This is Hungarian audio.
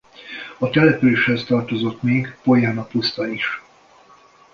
A településhez tartozott még Pojána puszta is.